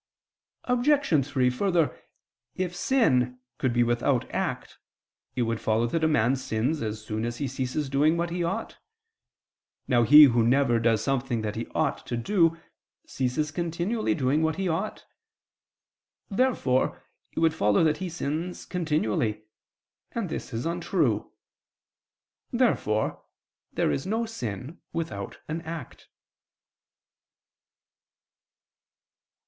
Obj. 3: Further, if sin could be without act, it would follow that a man sins as soon as he ceases doing what he ought. Now he who never does something that he ought to do, ceases continually doing what he ought. Therefore it would follow that he sins continually; and this is untrue. Therefore there is no sin without an act.